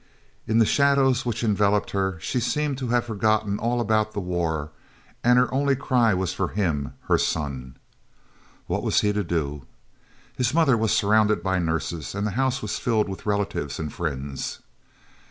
In the shadows which enveloped her she seemed to have forgotten all about the war, and her only cry was for him, her son. What was he to do? His mother was surrounded by nurses, and the house was filled with relatives and friends.